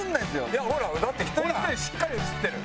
いやほらだって一人ひとりしっかり映ってる。